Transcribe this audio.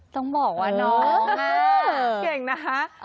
ต้องบอกว่าน้องเก่งนะคะ